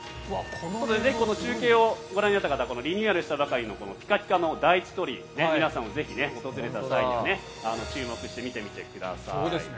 この中継をご覧になった方リニューアルしたばかりの第一鳥居皆さんも訪れた際には注目して見てみてください。